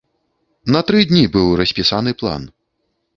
На тры дні быў распісаны план.